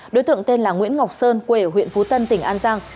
đối tượng tên là nguyễn ngọc sơn quê ở huyện phú tân tỉnh an giang